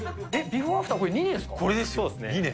ビフォーアフター、そうですね。